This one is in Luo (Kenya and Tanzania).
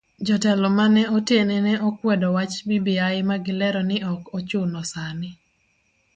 Jotelo mane otene ne okwedo wach bbi magilero ni ok ochuno sani.